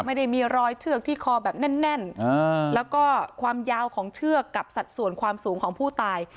ไม่ได้มีรอยเชือกที่คอแบบแน่นแล้วก็ความยาวของเชือกกับสัดส่วนความสูงของผู้ตาย